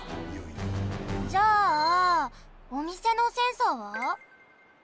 じゃあおみせのセンサーは？